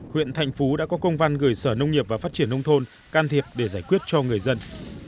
huyện thành phú đã có công văn gửi sở nông nghiệp và phát triển nông thôn can thiệp để giải quyết cho người dân